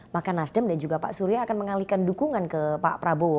maka nasdem dan juga pak surya akan mengalihkan dukungan ke pak prabowo